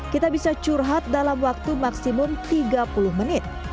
kita bisa curhat dalam waktu maksimum tiga puluh menit